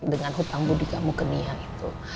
dengan hutang budi kamu ke nia itu